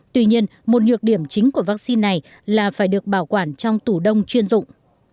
tuy nhiên một nhược điểm chính của vaccine này là phải được bảo quản trong tủ đông chuyên dụng